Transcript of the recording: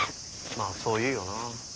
まあそう言うよな。